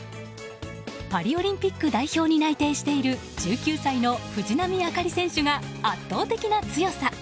パリオリンピック代表に内定している１９歳の藤波朱理選手が圧倒的な強さ。